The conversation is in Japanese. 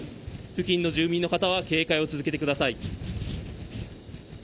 付近の住民の方は警戒を続けてください。